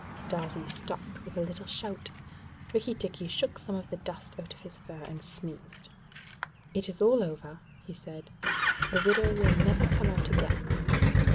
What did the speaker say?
Darzee stopped with a little shout. Rikki tikki shook some of the dust out of his fur and sneezed. 'It is all over,' he said. 'The widow will never come out again.'